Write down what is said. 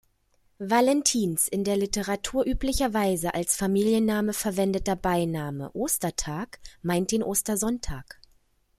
Valentins in der Literatur üblicherweise als Familienname verwendeter Beiname "„Ostertag“" meint den Ostersonntag.